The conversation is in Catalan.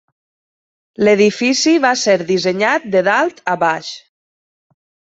L'edifici va ser dissenyat de dalt a baix.